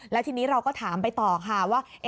แล้วทีนี้เราก็ถามไปต่อค่ะว่า